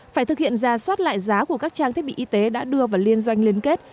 phải thực hiện ra soát lại giá của các trang thiết bị y tế đã đưa vào liên doanh liên kết